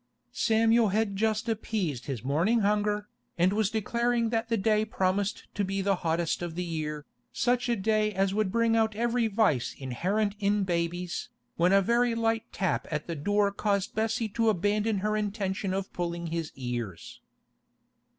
Samuel had just appeased his morning hunger, and was declaring that the day promised to be the hottest of the year, such a day as would bring out every vice inherent in babies, when a very light tap at the door caused Bessie to abandon her intention of pulling his ears.